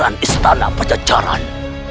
pembangunan istana pajajaran